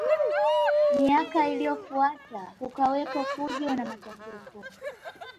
Miaka iliyofuata kukawepo fujo na machafuko